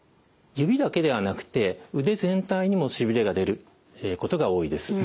指だけではなくて腕全体にもしびれが出ることが多いです。